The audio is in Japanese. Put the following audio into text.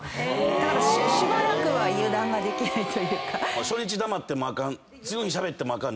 だからしばらくは油断ができないと。